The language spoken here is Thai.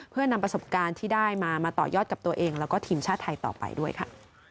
เพื่อนำประสบการณ์ที่ได้มามาต่อยอดกับตัวเองแล้วก็ทีมชาติไทยต่อไปด้วยค่ะ